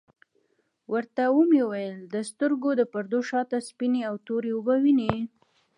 ورته ومي ویل د سترګو د پردو شاته سپیني او توری اوبه وینې ؟